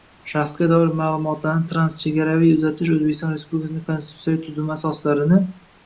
Shaxsga doir ma’lumotlarni transchegaraviy uzatish O‘zbekiston Respublikasining konstitutsiyaviy tuzumi asoslarini